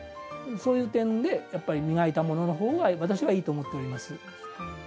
そういう点で磨いたもののほうが私はいいと思っております。